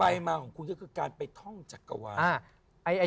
ไปมาของคุณก็คือการไปท่องจักรวาล